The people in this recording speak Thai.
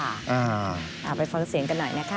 อ่าไปฟังเสียงกันหน่อยนะคะ